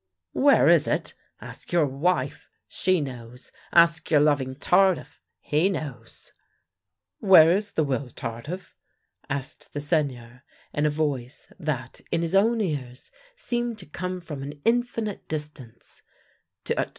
"" Where is it? Ask your wife. She knows. Ask your loving Tardif — he knows! "" Where is the will, Tardif? " asked the Seigneur in a voice that, in his own ears, seemed to come from an infinite distance.